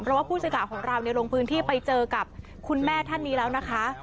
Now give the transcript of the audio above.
เพราะว่าผู้สื่อข่าวของเราลงพื้นที่ไปเจอกับคุณแม่ท่านนี้แล้วนะคะ